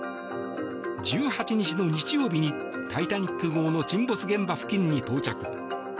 １８日の日曜日に「タイタニック号」の沈没現場付近に到着。